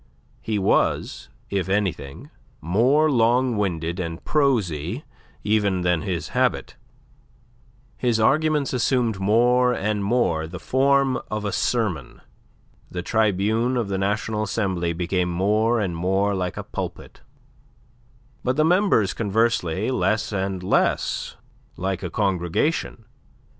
He was, if anything, more long winded and prosy even than his habit; his arguments assumed more and more the form of a sermon; the tribune of the National Assembly became more and more like a pulpit; but the members, conversely, less and less like a congregation.